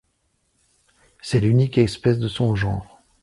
C'est l'unique espèce de son genre.